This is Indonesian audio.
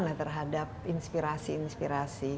lah terhadap inspirasi inspirasi